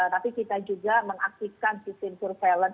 tapi kita juga mengaktifkan sistem surveillance